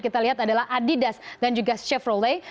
kita lihat adalah adidas dan juga chevrolet